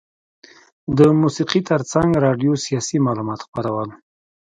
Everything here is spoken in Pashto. د موسیقي ترڅنګ راډیو سیاسي معلومات خپرول.